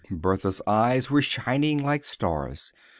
Bertha's eyes were shining like stars.